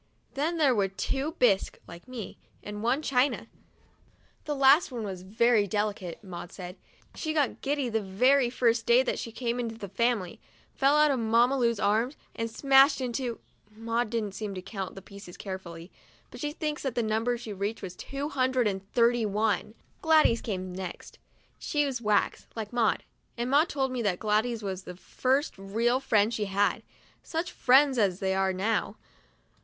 Then there were two bisque (like me) and one all china. The last one was very delicate, Maud said. She got giddy the very first day that she came into the family, fell out of Mamma Lu's arms, and smashed into — Maud didn't count the pieces carefully, but she thinks that the number reached two hundred and thirty one. Gladys came next; she's wax, like Maud, and Maud told me that Gladys was the first real friend she had. Such friends as they are now!